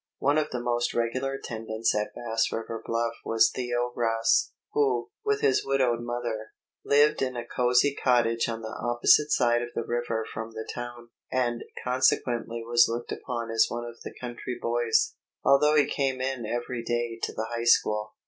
One of the most regular attendants at Bass River Bluff was Theo Ross, who, with his widowed mother, lived in a cozy cottage on the opposite side of the river from the town, and consequently was looked upon as one of the country boys, although he came in every day to the high school.